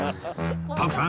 徳さん